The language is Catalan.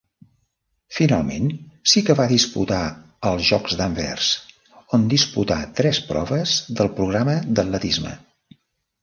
Finalment sí que va disputar els Jocs d'Anvers, on disputà tres proves del programa d'atletisme.